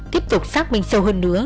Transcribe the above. tiếp tục xác minh sâu hơn nữa